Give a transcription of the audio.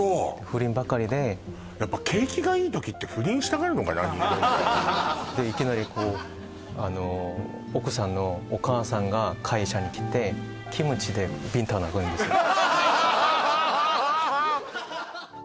不倫ばっかりでやっぱ景気がいい時って不倫したがるのかな人間ってでいきなりこう奥さんのお母さんが会社に来てキムチでビンタ殴るんですよ